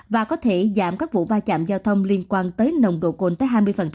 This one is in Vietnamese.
và có thể giảm các vụ vai trạm giao thông liên quan tới nồng độ cồn tới hai mươi